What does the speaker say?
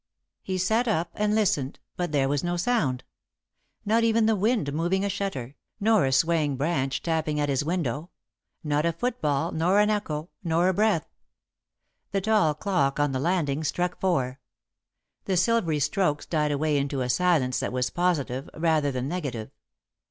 He sat up and listened, but there was no sound. Not even the wind moving a shutter, nor a swaying branch tapping at his window not a footfall, nor an echo, nor a breath. The tall clock on the landing struck four. The silvery strokes died away into a silence that was positive, rather than negative.